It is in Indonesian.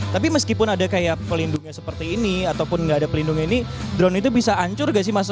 tapi meskipun ada kayak pelindungnya seperti ini ataupun nggak ada pelindungan ini drone itu bisa hancur gak sih mas